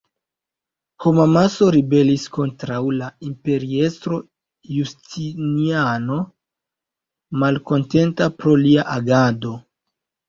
Homamaso ribelis kontraŭ la imperiestro Justiniano, malkontenta pro lia agado.